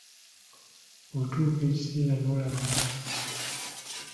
Otuuka ekiseera n’olaba ennaku.